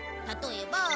例えば。